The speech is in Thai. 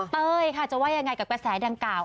เต้ยค่ะจะว่ายังไงกับกระแสดังกล่าว